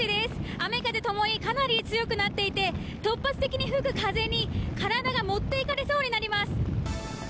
雨風共にかなり強くなっていて突発的に吹く風に体が持っていかれそうになります。